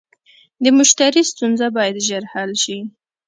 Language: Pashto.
د مشتری ستونزه باید ژر حل شي.